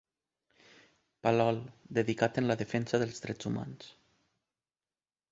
Palol, dedicat en la defensa dels drets humans.